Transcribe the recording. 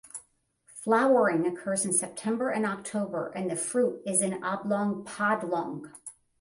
Flowering occurs in September and October and the fruit is an oblong pod long.